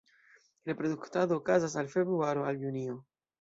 Reproduktado okazas el februaro al junio.